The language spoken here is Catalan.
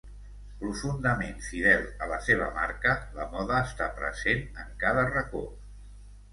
Profundament fidel a la seva marca, la moda està present en cada racó.